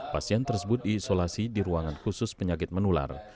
pasien tersebut diisolasi di ruangan khusus penyakit menular